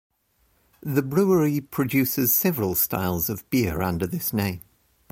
The brewery produces several styles of beer under this name.